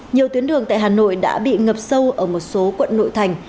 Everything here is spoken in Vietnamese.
nhiều tuyến đường tại hà nội đã bị ngập sâu ở một số quận nội thành